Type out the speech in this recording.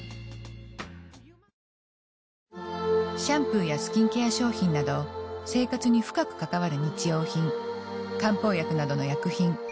シャンプーやスキンケア商品など生活に深く関わる日用品漢方薬などの薬品。